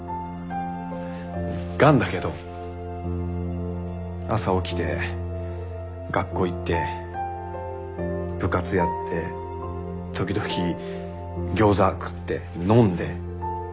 がんだけど朝起きて学校行って部活やって時々餃子食って飲んで。